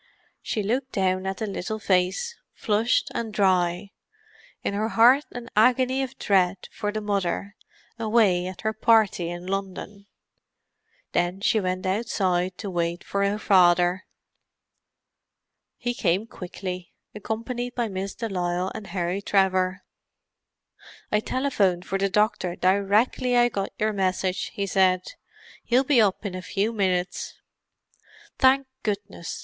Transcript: She looked down at the little face, flushed and dry; in her heart an agony of dread for the Mother, away at her party in London. Then she went outside to wait for her father. He came quickly, accompanied by Miss de Lisle and Harry Trevor. "I telephoned for the doctor directly I got your message," he said. "He'll be up in a few minutes." "Thank goodness!"